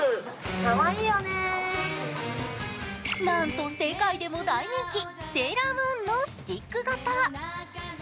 なんと世界でも大人気、セーラームーンのスティック型。